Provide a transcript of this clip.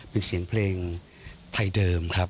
เป็นเสียงเพลงไทยเดิมครับ